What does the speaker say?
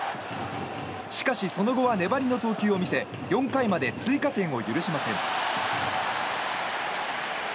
しかしその後は粘りの投球を見せ４回まで追加点を許しません。